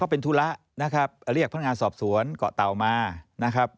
เป็นธุระนะครับเรียกพนักงานสอบสวนเกาะเตามานะครับ